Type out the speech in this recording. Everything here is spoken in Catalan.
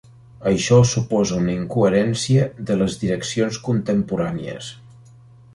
Això suposa una incoherència en les direccions contemporànies.